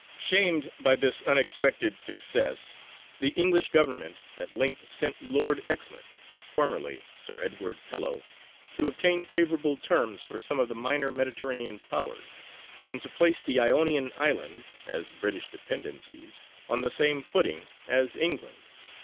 Shamed by this unexpected success, the English Government at length sent Lord Exmouth (formerly Sir Edward Pellew) to obtain favourable terms for some of the minor Mediterranean Powers, and to place the Ionian Islands, as British dependencies, on the same footing as England.